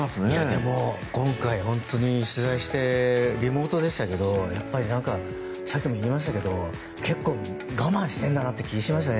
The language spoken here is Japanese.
でも、今回本当に取材してリモートでしたけどさっきも言いましたけど結構、我慢しているんだなという気がしました。